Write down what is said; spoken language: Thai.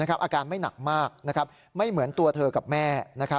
อาการไม่หนักมากไม่เหมือนตัวเธอกับแม่